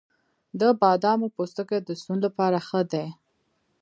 د بادامو پوستکی د سون لپاره ښه دی؟